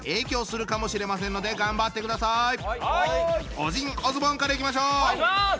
オジンオズボーンからいきましょう！